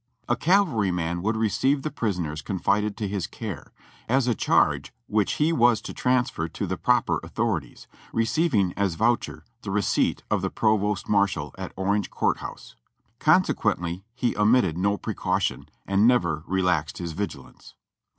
A cavalryman would receive the prisoners confided to his care, as a charge which he was to transfer to the proper authorities, receiving as voucher the receipt of the provost marshal at Orange Court House. Consequently he omitted no precaution, and never relaxed his vigilance.